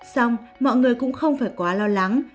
xong mọi người cũng không phải quá lo lắng